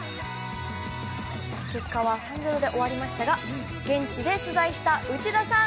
結果は３対０で終わりましたが現地で取材した内田さん